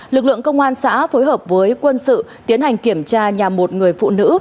lực lượng công an xã phối hợp với quân sự tiến hành kiểm tra nhà một người phụ nữ